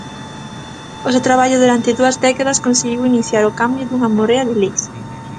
O seu traballo durante dúas décadas conseguiu iniciar o cambio dunha morea de leis.